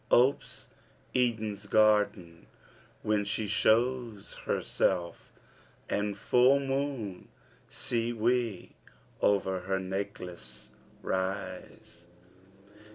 Opes Eden's garden when she shows herself, * And full moon see we o'er her necklace rise.'